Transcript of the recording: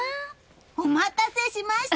お待たせしました！